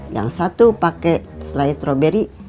yang satu pake selai strawberry